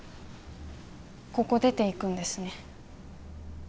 ここ出ていくんですね